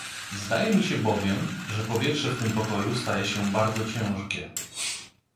"Zdaje mi się bowiem, że powietrze w tym pokoju staje się bardzo ciężkie."